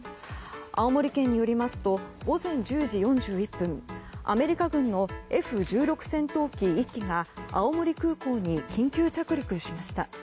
青森県によりますと午前１０時４１分アメリカ軍のＦ１６戦闘機１機が青森空港に緊急着陸しました。